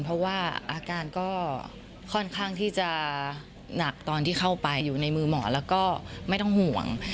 เพราะว่าอาการก็ค่อนข้างที่จะหนักตอนที่เข้าไปอยู่ในมือหมอแล้วก็ไม่ต้องห่วง